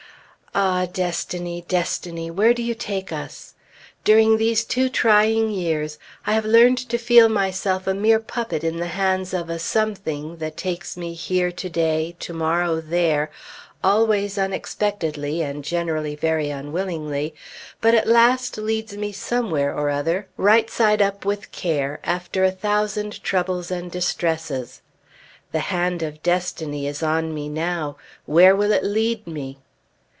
Ah! Destiny! Destiny! Where do you take us? During these two trying years, I have learned to feel myself a mere puppet in the hands of a Something that takes me here to day, to morrow there, always unexpectedly, and generally very unwillingly, but at last leads me somewhere or other, right side up with care, after a thousand troubles and distresses. The hand of Destiny is on me now; where will it lead me?